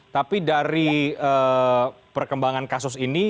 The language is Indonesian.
tapi dari perkembangan kasus ini